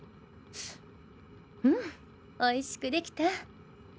うん美味しくできた！